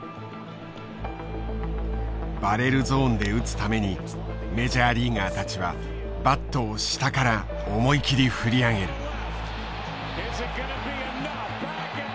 バレルゾーンで打つためにメジャーリーガーたちはバットを下から思い切り振り上げる。